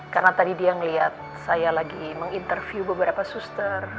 karena tadi dia ngeliat saya lagi menginterview beberapa suster